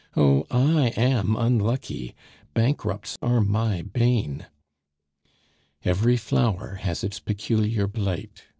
Oh! I am unlucky! bankrupts are my bane." "Every flower has its peculiar blight!"